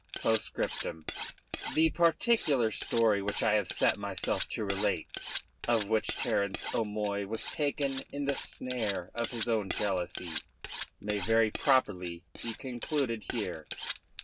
POSTSCRIPTUM The particular story which I have set myself to relate, of how Sir Terence O'Moy was taken in the snare of his own jealousy, may very properly be concluded here.